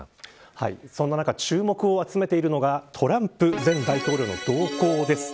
そんな中、注目を集めているのがトランプ前大統領の動向です。